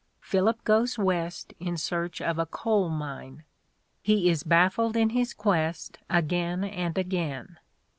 Philip goes West in search of a coal mine. He is baffled in his quest again and again.